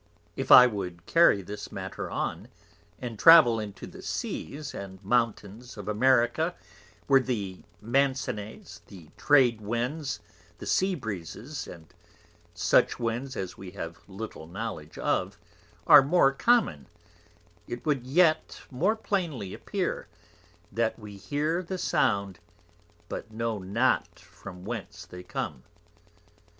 If I would carry this Matter on, and travel into the Seas, and Mountains of America, where the Mansones, the Trade Winds, the Sea Breezes, and such Winds as we have little Knowledge of, are more common; it would yet more plainly appear, _That we hear the Sound, but know not from whence they come.